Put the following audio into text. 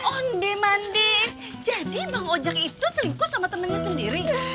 onde mandi jadi bang ojek itu selingkuh sama temennya sendiri